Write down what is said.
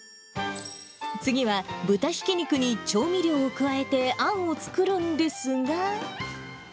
次は豚ひき肉に調味料をくわえて、あんを作るんですが。